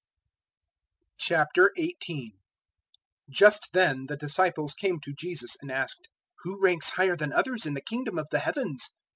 018:001 Just then the disciples came to Jesus and asked, "Who ranks higher than others in the Kingdom of the Heavens?"